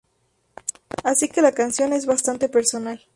Así que la canción es bastante personal.